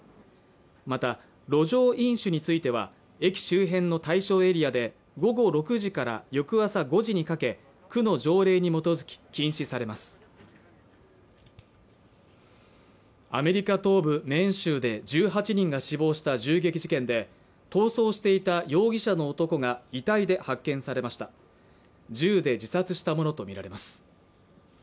また路上飲酒については駅周辺の対象エリアで午後６時から翌朝５時にかけ区の条例に基づき禁止されますアメリカ東部メーン州で１８人が死亡した銃撃事件で逃走していた容疑者の男が遺体で発見されました銃で自殺したものと見られます